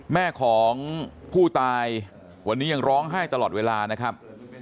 แม่ของผู้ตายวันนี้ยังร้องไห้ตลอดเวลานะครับ